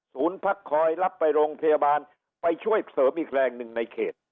พักคอยรับไปโรงพยาบาลไปช่วยเสริมอีกแรงหนึ่งในเขต